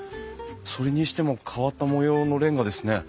それにしても変わった模様のレンガですね。